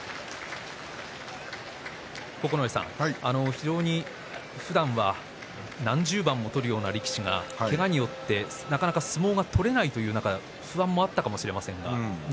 非常にふだんは何十番も取るような力士はけがによって、なかなか相撲が取れないという中で不安もあったかもしれませんが錦